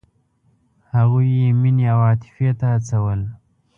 هغوی یې مینې او عاطفې ته هڅول.